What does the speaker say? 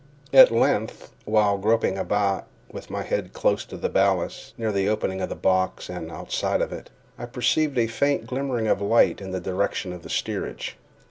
At length, while groping about, with my head close to the ballast, near the opening of the box, and outside of it, I perceived a faint glimmering of light in the direction of the steerage.